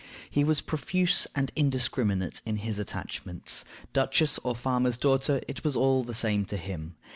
He was profuse and indiscriminate in his attachments; duchess or farmer's daughter, it was all the same to him.